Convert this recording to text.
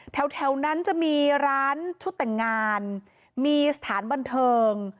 แถวนั้นจะมีร้านชุดแต่งงานมีสถานบันเทิง